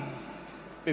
saya sampai pada kesimpulan